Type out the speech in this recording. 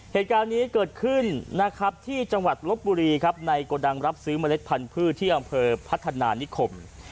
เหตุการณ์นี้เกิดขึ้นนะครับที่จังหวัดลบบุรีครับในโกดังรับซื้อเมล็ดพันธุ์ที่อำเภอพัฒนานิคม